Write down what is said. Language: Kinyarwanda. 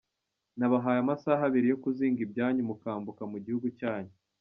Nabahaye amasaha abiri yo kuzinga ibyanyu mukambuka mu gihugu cyanyu.